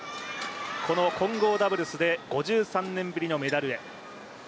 この混合ダブルスで５３年ぶりのメダルへ。